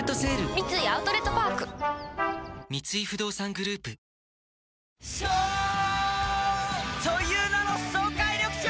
三井アウトレットパーク三井不動産グループ颯という名の爽快緑茶！